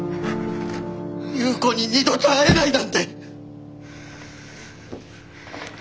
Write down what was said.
夕子に二度と会えないなんて。